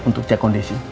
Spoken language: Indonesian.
untuk cek kondisi